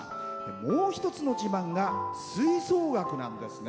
もう一つの自慢が吹奏楽なんですね。